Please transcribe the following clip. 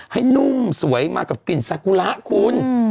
นุ่มสวยมากับกลิ่นสากุระคุณ